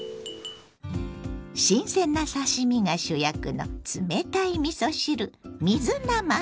新鮮な刺身が主役の冷たいみそ汁水なます。